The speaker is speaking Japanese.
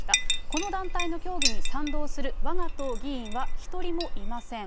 この団体の教義に賛同するわが党議員は一人もいません。